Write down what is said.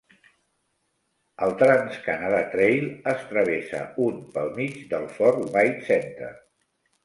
El Trans Canada Trail es travessa un pel mig del Fort Whyte Centre.